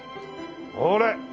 ほれ！